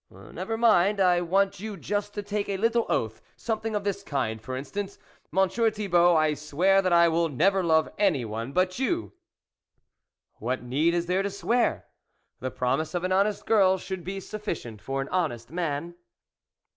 " Never mind, I want you just to take a little oath, something of this kind, for instance ; Monsieur Thibault, I swear that I will never love anyone but you." "What need is there to swear? the promise of an honest girl should be sufficient for an honest man."